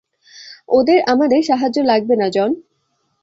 ওদের আমাদের সাহায্য লাগবে না, জন।